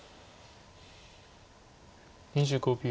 ２５秒。